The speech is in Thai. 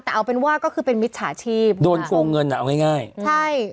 แต่เอาเป็นว่าก็คือเป็นมิจฉาชีพโดนโกงเงินอ่ะเอาง่ายง่ายใช่